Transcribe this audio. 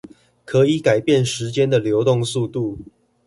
可以改變時間的流動速度